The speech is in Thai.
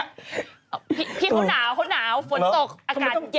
พี่เขาหนาวเขาหนาวฝนตกอากาศเย็น